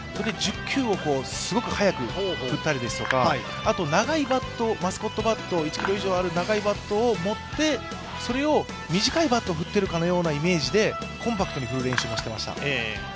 １０球をすごく速く打ったりですとか、あと長いバット、マスコットバット１ｋｇ以上あるバットを使ってそれを短いバットを降っているかのようなイメージでコンパクトに振る練習をしていました。